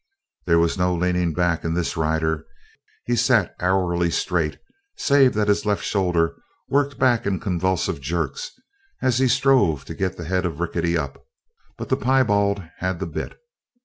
There was no leaning back in this rider. He sat arrowy straight save that his left shoulder worked back in convulsive jerks as he strove to get the head of Rickety up. But the piebald had the bit.